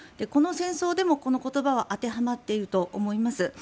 この戦争でも、この言葉は当てはまっていると思います。